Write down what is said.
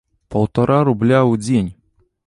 Паўтара рубля ў дзень!